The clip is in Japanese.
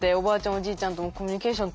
おじいちゃんともコミュニケーション